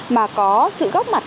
mà có sự góc mặt